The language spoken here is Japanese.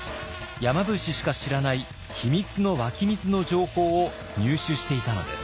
山伏しか知らない秘密の湧き水の情報を入手していたのです。